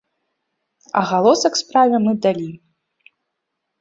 Агалосак справе мы далі.